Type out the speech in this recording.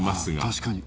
確かに。